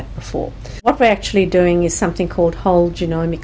kami sedang melakukan sesuatu yang disebut koreksin genomik